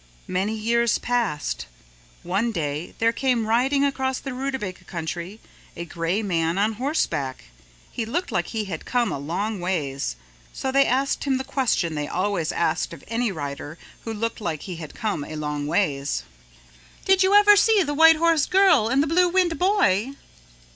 Many years passed. One day there came riding across the Rootabaga Country a Gray Man on Horseback. He looked like he had come a long ways. So they asked him the question they always asked of any rider who looked like he had come a long ways, "Did you ever see the White Horse Girl and the Blue Wind Boy?"